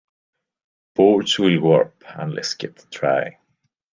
Boards will warp unless kept dry.